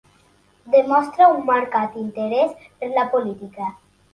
Demostra un marcat interès per la política.